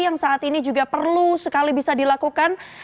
yang saat ini juga perlu sekali bisa dilakukan